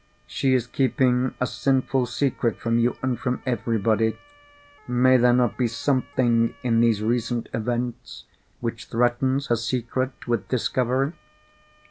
She is keeping a sinful secret from you and from everybody. May there not be something in these recent events which threatens her secret with discovery?"